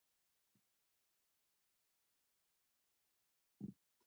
• ژړا د انسان کمزوري نه، بلکې د احساساتو شدت ښيي.